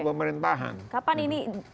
pemerintahan kapan ini